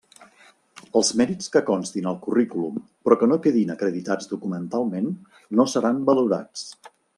Els mèrits que constin al currículum però que no quedin acreditats documentalment, no seran valorats.